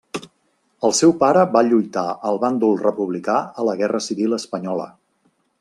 El seu pare va lluitar al Bàndol republicà a la Guerra Civil espanyola.